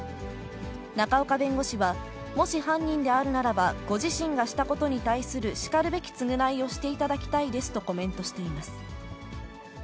仲岡弁護士は、もし犯人であるならば、ご自身がしたことに対するしかるべき償いをしていただきたいですとコメントしています。